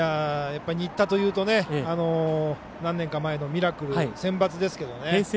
新田というと何年か前のミラクルセンバツですけどね